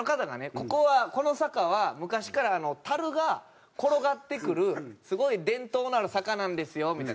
「ここはこの坂は昔からたるが転がってくるすごい伝統のある坂なんですよ」みたいな。